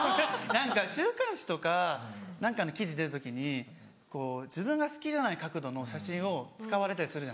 何か週刊誌とか何かの記事出る時に自分が好きじゃない角度の写真を使われたりするじゃないですか。